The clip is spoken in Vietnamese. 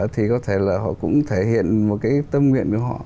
thì có thể là họ cũng thể hiện một cái tâm luyện của họ